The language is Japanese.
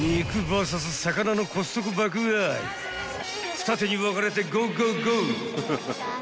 ［二手に分かれてゴーゴーゴー］